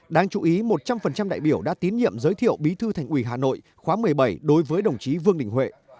đáng chú ý một trăm linh đại biểu đã tín nhiệm giới thiệu bí thư thành ủy hà nội khóa một mươi bảy đối với đồng chí vương đình huệ